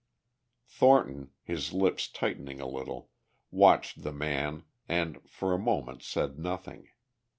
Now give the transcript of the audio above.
Thornton, his lips tightening a little, watched the man and for a moment said nothing.